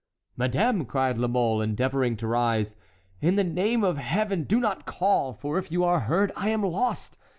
"Madame," cried La Mole, endeavoring to rise, "in the name of Heaven do not call, for if you are heard I am lost!